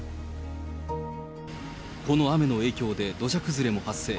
この雨の影響で土砂崩れも発生。